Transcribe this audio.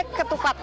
ini ketupat ya